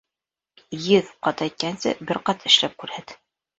Йөҙ ҡат әйткәнсе, бер ҡат эшләп күрһәт.